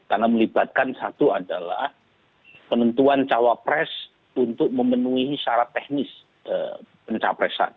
karena melibatkan satu adalah penentuan cawapres untuk memenuhi syarat teknis pencapresan